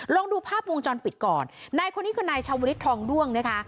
ลองดูภาพมุมจรปิดก่อนนายคนนี้ก็นายชาวบุริษฐ์ทองด้วงนะคะ